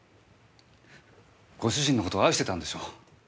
ご主人の事愛してたんでしょう？